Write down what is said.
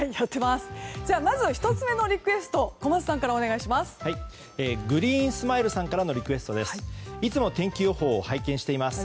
まずは１つ目のリクエスト小松さんからお願いします。